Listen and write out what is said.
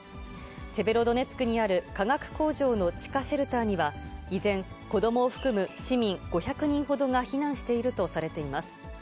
セベロドネツクにある化学工場の地下シェルターには依然、子どもを含む市民５００人ほどが避難しているとされています。